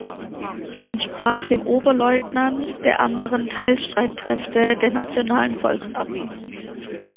Er entsprach dem Oberleutnant der anderen Teilstreitkräfte der Nationalen Volksarmee.